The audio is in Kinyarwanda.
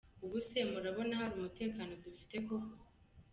Ubu se murabona hari umutekano dufite koko?”.